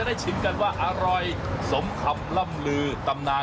น้ำจิ้มก็จะมีน้ำจิ้มมะขาม